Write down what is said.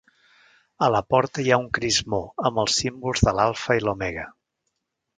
A la porta hi ha un crismó amb els símbols de l'alfa i l'omega.